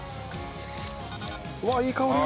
うわっいい香り！